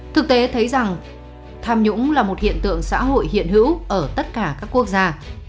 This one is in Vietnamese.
thực tế thấy rằng tham nhũng là một hiện tượng xã hội hiện hữu ở tất cả các quốc gia